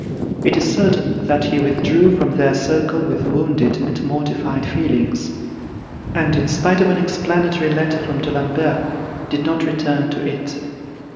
It is certain that he withdrew from their circle with wounded and mortified feelings, and, in spite of an explanatory letter from D'Alembert, did not return to it.